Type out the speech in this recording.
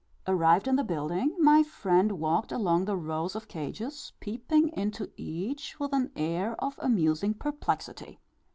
Arrived in the building, my friend walked along the rows of cages, peeping into each with an air of amusing perplexity.